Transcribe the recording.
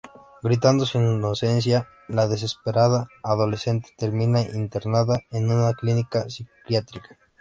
Gritando su inocencia, la desesperada adolescente termina internada en una clínica psiquiátrica.